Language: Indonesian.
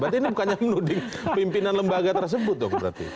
berarti ini bukannya menuding pimpinan lembaga tersebut dong berarti